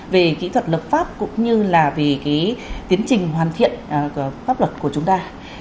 về kỹ thuật lập pháp cũng như là về tiến trình hoàn thiện pháp luật của chúng ta